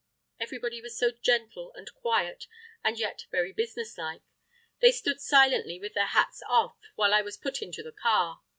Everybody was so gentle and quiet, and yet very businesslike. They stood silently, with their hats off, while I was put into the car.